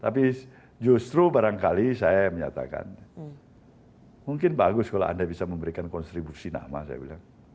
tapi justru barangkali saya menyatakan mungkin bagus kalau anda bisa memberikan konstribusi nama saya bilang